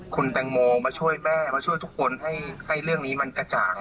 คุณแตงโมมาช่วยแม่มาช่วยทุกคนให้เรื่องนี้มันกระจ่าง